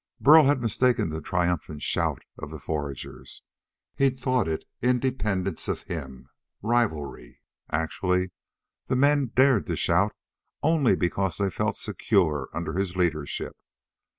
Burl had mistaken the triumphant shout of the foragers. He'd thought it independence of him rivalry. Actually, the men dared to shout only because they felt secure under his leadership.